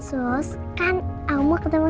sos kan aku mau ketemu